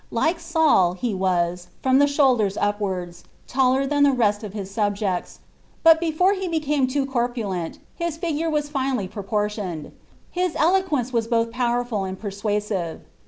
Like Saul, he waa, from the shoulders upwards, taller ihao the rest of his subjects; hm before he became too corpulent, his ligure was finely proportioned. Hii eloquence was both powerful and persuasive.